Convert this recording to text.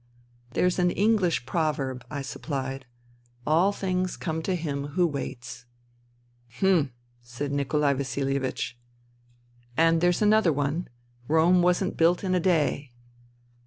" There's an Enghsh proverb," I suppHed :''* All things come to him who waits.' "" Hm !" said Nikolai Vasihevich, " And there's another one :' Rome wasn't built in a day.'